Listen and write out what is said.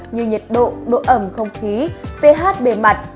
như nhiệt độ độ ẩm không khí ph bề mặt